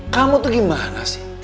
kamu tuh gimana sih